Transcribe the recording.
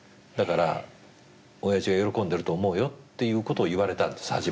だからおやじが喜んでると思うよっていうことを言われたんです。